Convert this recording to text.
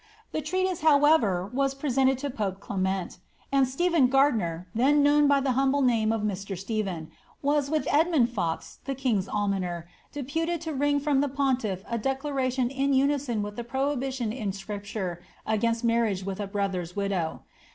The treatise was, however, pre tented to pope Clement; and Stephen Gardiner (then known by the homble name of Mr. Stephen), was, with Edmund Fox, the king's almo ner, deputed to wring from that pontiff a declaration in unison with the prohibition in Scripture against marriage with a brother's widow.